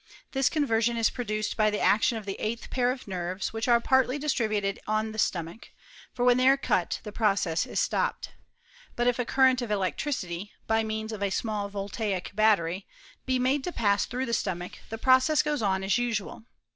This conversion is produced by the action of the eighth pair of nerves, which are partly distributed on the stomach ; for when they are cut, the process is stopped : but if a current of electricity, by means of a small voltaic battery, be made to pass through the stomachy the process goes oil as usual.